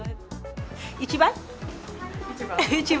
一番。